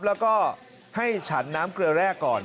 แล้วก็ให้ฉันน้ำเกลือแร่ก่อน